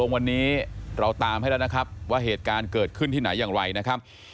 วันนี้เราตามให้แล้วนะครับว่าเหตุการณ์เกิดขึ้นที่ไหนอย่างไรนะครับ